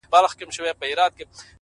خوارسومه انجام مي د زړه ور مـات كړ ـ